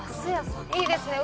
いいですね。